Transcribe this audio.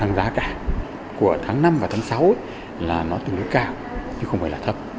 khả năng xảy ra cái mức tiếp tục gia tăng trong tháng năm và tháng sáu là nó từng đối cả chứ không phải là thật